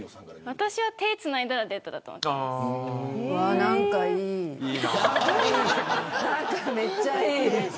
私は手をつないだらデートだと思っています。